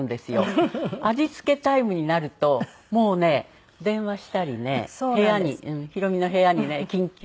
味付けタイムになるともうね電話したりねひろ美の部屋にね緊急。